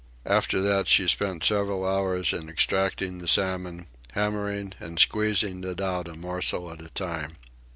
After that she spent several hours in extracting the salmon, hammering and squeezing it out a morsel at a time.